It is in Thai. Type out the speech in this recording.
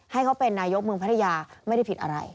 ให้เขาเป็นนายกเมืองพัทยาไม่ได้ผิดอะไร